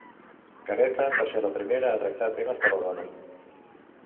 Cereta va ser la primera a tractar temes de la dona.